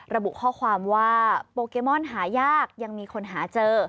ระบุข้อความว่าโปเกมอนหายากยังมีคนหาเจอ